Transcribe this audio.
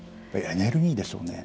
エネルギーでしょうね。